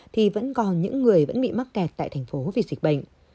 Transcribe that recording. thì vẫn còn những người vẫn bị mắc kẹt tại thành phố vì dịch bệnh